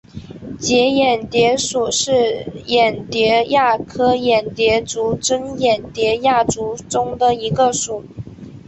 结眼蝶属是眼蝶亚科眼蝶族珍眼蝶亚族中的一个属。